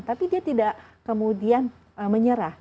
tapi dia tidak kemudian menyerah